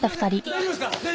大丈夫ですか？